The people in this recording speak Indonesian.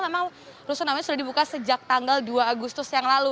memang rusun awas ini sudah dibuka sejak tanggal dua agustus yang lalu